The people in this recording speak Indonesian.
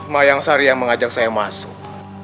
mayang sari yang mengajak saya masuk